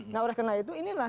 nah oleh karena itu inilah